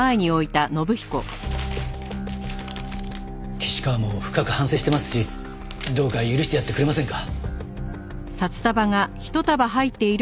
岸川も深く反省してますしどうか許してやってくれませんか？